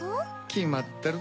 きまってる